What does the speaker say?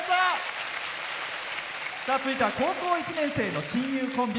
続いては高校１年生の親友コンビ。